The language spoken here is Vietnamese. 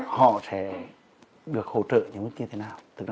họ sẽ được hỗ trợ như thế nào